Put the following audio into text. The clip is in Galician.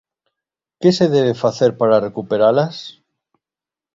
Que se debe facer para recuperalas?